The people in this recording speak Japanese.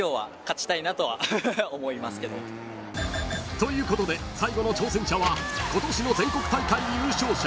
［ということで最後の挑戦者は今年の全国大会優勝者